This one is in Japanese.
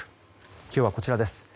今日はこちらです。